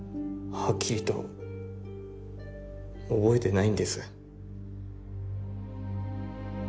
はっきりと覚えてないんです。